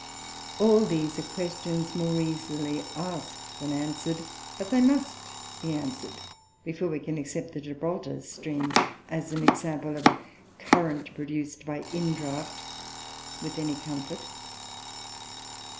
All these are questions more easily asked than answered; but they must be answered before we can accept the Gibraltar stream as an example of a current produced by indraught with any comfort.